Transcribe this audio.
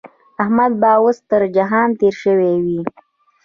احمد به اوس تر جهان تېری شوی وي.